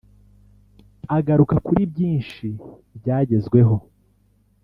Agaruka kuri byinshi byagezweho